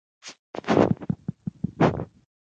کروندګر د خپل کار د ثمراتو په اړه خبرې کوي